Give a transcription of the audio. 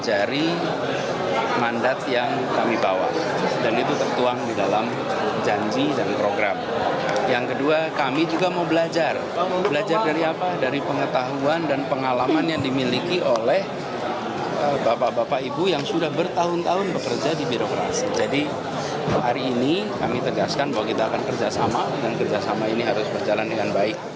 anies baswedan dan sandiaga uno resmi mengembalikan pertemuan dengan jajaran skpd untuk berkenalan